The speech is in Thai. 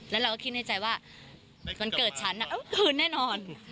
แล้วเราก็คิดในใจว่าวันเกิดฉันคืนแน่นอน